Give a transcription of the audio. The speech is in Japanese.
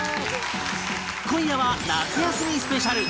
今夜は夏休みスペシャル